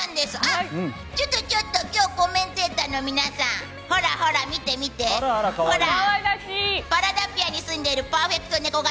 ちょっとちょっと今日はコメンテーターの皆さんパラダビアに住んでいるパーフェクトネコ型